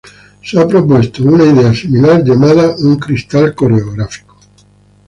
Una idea similar llamada un cristal coreográfico ha sido propuesta.